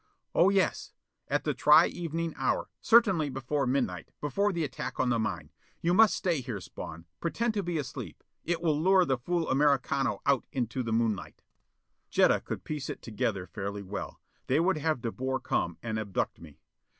"Oh yes, at the tri evening hour, certainly before midnight, before the attack on the mine. You must stay here, Spawn. Pretend to be asleep: it will lure the fool Americano out in to the moonlight." Jetta could piece it together fairly well. They would have De Boer come and abduct me.